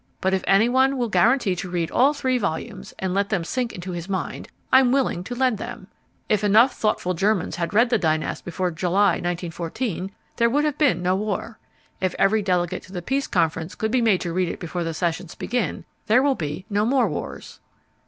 But if any one will guarantee to read all three volumes, and let them sink into his mind, I'm willing to lend them. If enough thoughtful Germans had read The Dynasts before July, 1914, there would have been no war. If every delegate to the Peace Conference could be made to read it before the sessions begin, there will be no more wars.